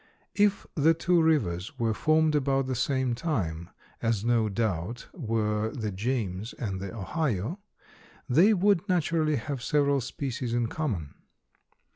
If the two rivers were formed about the same time, as no doubt were the James and the Ohio, they would naturally have several species in common.